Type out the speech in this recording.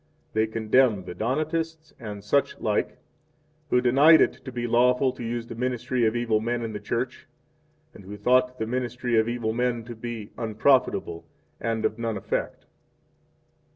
3 They condemn the Donatists, and such like, who denied it to be lawful to use the ministry of evil men in the Church, and who thought the ministry of evil men to be unprofitable and of none effect.